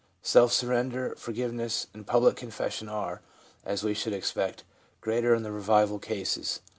Self surrender, forgiveness and public confession are, as we should expect, greater in the revival cases.